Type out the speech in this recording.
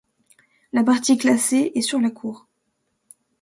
La partie classée est sur la cour.